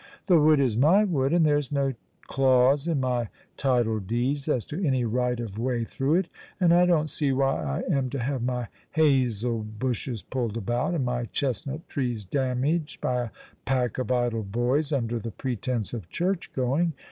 The wood is my wood, and there's no clause in my title deeds as to any right of way through it ; and I don't see why I am to have my hazel bushes pulled about, and my chestnut trees damaged by a pack of idle boys, under the pretence of church going.